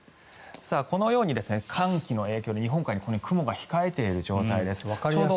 このように寒気の影響で日本海に雲が控えている状態です。